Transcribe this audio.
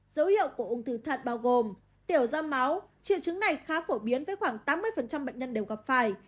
dấu hiệu của ung thư thận bao gồm tiểu do máu triệu chứng này khá phổ biến với khoảng tám mươi bệnh nhân đều gặp phải